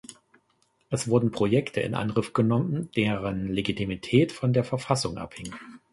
Es wurden Projekte in Angriff genommen, deren Legitimität von der Verfassung abhing.